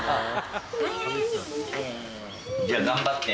じゃあ頑張って。